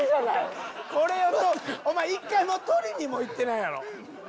お前１回も取りにも行ってないやろ。